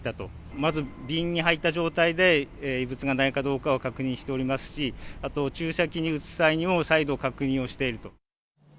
まず瓶に入った状態で異物がないかどうかを確認しておりますし、あと注射器に移す際にも、再度確認をしていると。